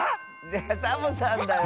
⁉いやサボさんだよ。